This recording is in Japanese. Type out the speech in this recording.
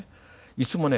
いつもね